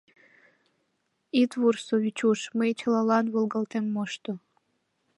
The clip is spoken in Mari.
«Йт вурсо, Вичуш, мый чылалан волгалтем мошто...